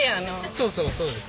そうそうそうです。